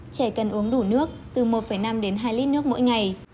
trẻ cần uống đủ nước từ một năm đến hai lít nước mỗi ngày